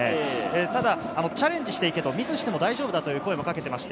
ただ、チャレンジしていけ、ミスしても大丈夫だという声もかけています。